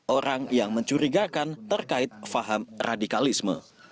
orang yang mencurigakan terkait faham radikalisme